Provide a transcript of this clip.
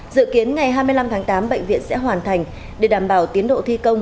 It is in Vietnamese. dự kiến ngày hai mươi năm tháng tám bệnh viện sẽ hoàn thành để đảm bảo tiến độ thi công